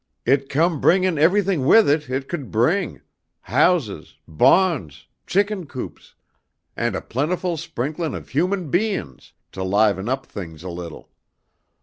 "It come bringin' everything with it it could bring; houses, bahns, chicken coops and a plentiful sprinklin' of human bein's, to liven up things a little.